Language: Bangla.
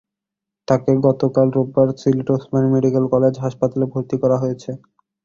তাঁকে গতকাল রোববার সিলেট ওসমানী মেডিকেল কলেজ হাসপাতালে ভর্তি করা হয়েছে।